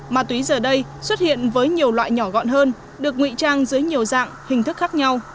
ma túy giờ đây xuất hiện với nhiều loại nhỏ gọn hơn được nguy trang dưới nhiều dạng hình thức khác nhau